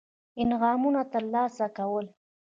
انعامونه ترلاسه کول.